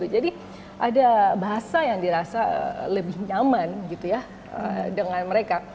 jadi ada bahasa yang dirasa lebih nyaman gitu ya dengan mereka